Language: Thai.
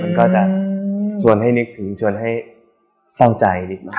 มันก็จะส่วนให้นึกถึงส่วนให้เฝ้าใจ